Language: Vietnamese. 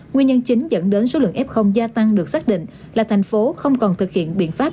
nguyên nhân chính dẫn đến số lượng f gia tăng được xác định là thành phố không còn thực hiện biện pháp